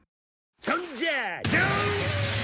そんじゃ。